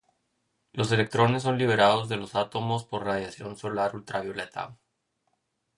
Los electrones son liberados de los átomos por radiación solar ultravioleta.